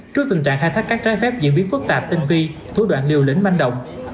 trước tình trạng khai thác các trái phép diễn biến phức tạp tinh vi thủ đoạn liều lĩnh manh động